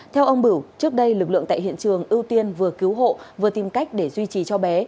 theo ông bửu trước đây lực lượng tại hiện trường ưu tiên vừa cứu hộ vừa tìm cách để duy trì cho bé